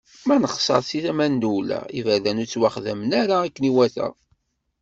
Ma nexẓer si tama n ddula: Iberdan ur ttwaxedmen ara akken iwata.